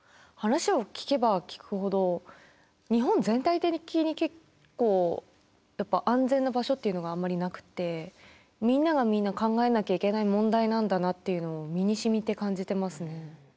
話を聞けば聞くほど日本全体的に結構やっぱ安全な場所っていうのがあんまりなくてみんながみんな考えなきゃいけない問題なんだなっていうのを身にしみて感じてますね。